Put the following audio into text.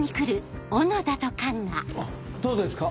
あっどうですか？